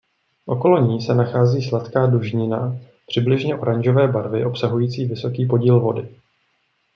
Okolo ní se nachází sladká dužnina přibližně oranžové barvy obsahující vysoký podíl vody.